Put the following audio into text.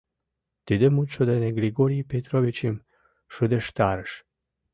Тиде мутшо дене Григорий Петровичым шыдештарыш.